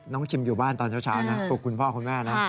ชิมอยู่บ้านตอนเช้านะปลูกคุณพ่อคุณแม่นะ